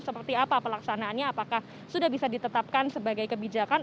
seperti apa pelaksanaannya apakah sudah bisa ditetapkan sebagai kebijakan